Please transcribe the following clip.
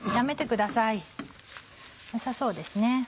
よさそうですね。